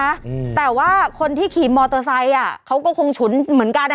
อืมแต่ว่าคนที่ขี่มอเตอร์ไซค์อ่ะเขาก็คงฉุนเหมือนกันอ่ะ